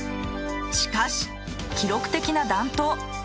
しかし記録的な暖冬。